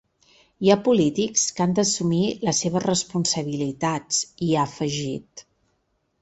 Hi ha polítics que han d’assumir les seves responsabilitats, hi ha afegit.